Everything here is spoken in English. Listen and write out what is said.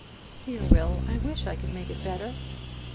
"Dear Will, I wish I could make it better."